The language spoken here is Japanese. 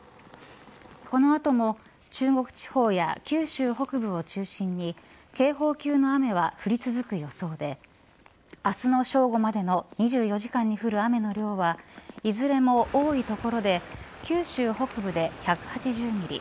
この後も中国地方や九州北部を中心に警報級の雨は降り続く予想で明日の正午までの２４時間に降る雨の量はいずれも多い所で九州北部で１８０ミリ。